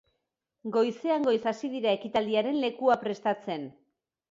Goizean goiz hasi dira ekitaldiaren lekua prestatzen.